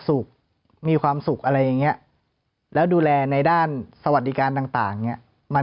สุกมีความสุขอะไรงี้แล้วดูแลในด้านสวัสดิการต่างมัน